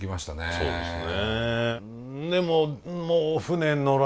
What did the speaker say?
そうですね。